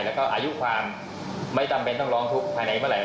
แล้วก็อายุความไม่จำเป็นต้องร้องทุกข์ภายในเมื่อไห